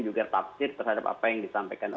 juga tafsir terhadap apa yang disampaikan